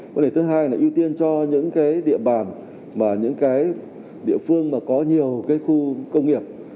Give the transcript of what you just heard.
vấn đề thứ hai là ưu tiên cho những địa bàn những địa phương có nhiều khu công nghiệp